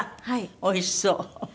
おいしそう。